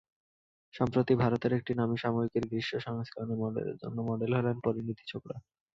সম্প্রতি ভারতের একটি নামী সাময়িকীর গ্রীষ্ম সংস্করণের জন্য মডেল হলেন পরিণীতি চোপড়া।